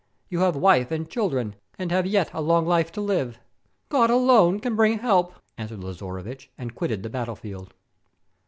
You have wife and children, and have yet a long life to live." "God can alone bring help," answered Lazaruvich, and quitted the battle field.